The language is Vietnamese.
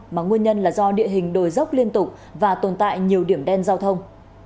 mà nguyên nhân là do địa hình đồi dốc liên tục và tồn tại nhiều điểm đen giao thông